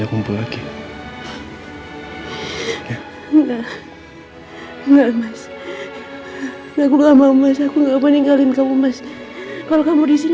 lagi enggak enggak mas aku enggak mau mas aku nggak mau ninggalin kamu mas kalau kamu disini